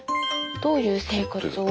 どういう生活を。